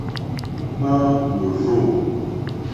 Ŋmáá wòrzô.